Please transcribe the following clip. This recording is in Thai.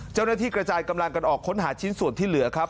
เจ้าหน้าที่กระจายกำลังกันออกค้นหาชิ้นส่วนที่เหลือครับ